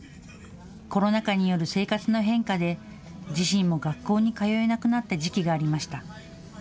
コロナ禍による生活の変化で自身も学校に通えなくなった時期がありました。